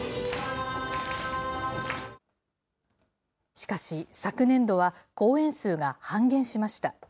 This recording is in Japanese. しかし、昨年度は公演数が半減しました。